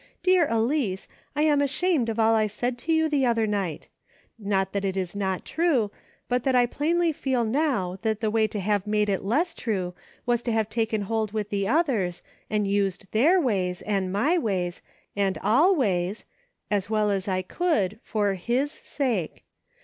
Dear Elice, I am ashamed of all I said to you the other night ; not that it is not true, but that I plainly feel now that the way to have made it less true, was to have taken hold with the others, and used their ways, and my ways, and all ways, as well as I could for "His" sake.